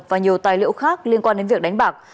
và nhiều tài liệu khác liên quan đến việc đánh bạc